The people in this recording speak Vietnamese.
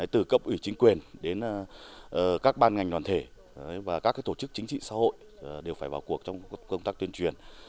từ cấp ủy chính quyền đến các ban ngành đoàn thể và các tổ chức chính trị xã hội đều phải vào cuộc trong công tác tuyên truyền